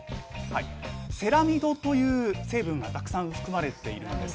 セラミドという成分がたくさん含まれているんです。